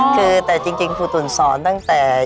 คือแต่จริงครูตุ๋นสอนตั้งแต่